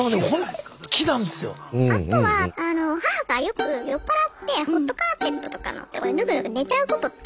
あとはあの母がよく酔っ払ってホットカーペットとかのとこにヌクヌク寝ちゃうことって。